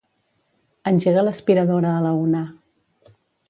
Engega l'aspiradora a la una.